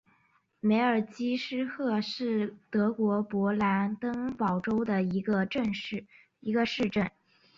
梅尔基施卢赫是德国勃兰登堡州的一个市镇。